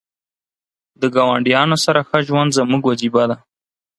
د ګاونډیانو سره ښه ژوند زموږ وجیبه ده .